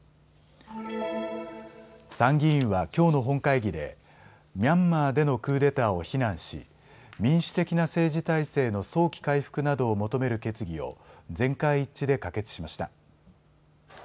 参議院はきょうの本会議でミャンマーでのクーデターを非難し民主的な政治体制の早期回復などを求める決議を全会一致で可決しました。